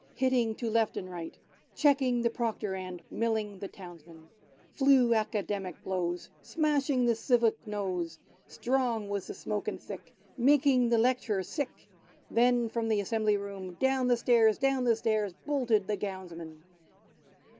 Hitting to left and right. Cheeking the Proctor, and Milling the Townsmen. Flew Academic blows, Smashing the civic nose, Strong was the smoke and thick. Making the Lect'rer sick — Then from the Assembly Room, Down the stairs, down the stairs, Boiled the Gownsmen